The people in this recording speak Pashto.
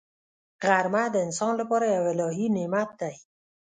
غرمه د انسان لپاره یو الهي نعمت دی